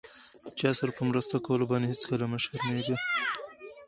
چاسره په مرسته کولو باندې هيڅکله مه شرميږم!